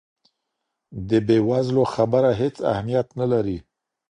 د بې وزلو خبره هیڅ اهمیت نه لري.